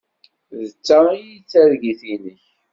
D ta ay d targit-nnek?